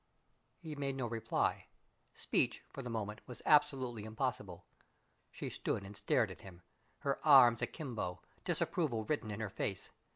He made no reply. Speech, for the moment, was absolutely impossible. She stood and stared at him, her arms akimbo, disapproval written in her face.